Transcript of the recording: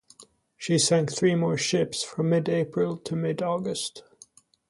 She sank three more ships from mid-April to mid-August.